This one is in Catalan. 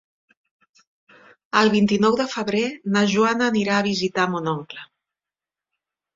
El vint-i-nou de febrer na Joana anirà a visitar mon oncle.